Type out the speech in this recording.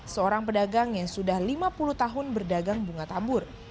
seorang pedagang yang sudah lima puluh tahun berdagang bunga tabur